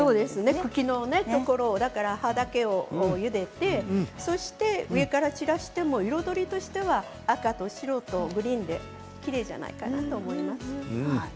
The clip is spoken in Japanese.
葉っぱのところだけゆでて上から散らしても彩りとしては赤と白とグリーンできれいだと思います。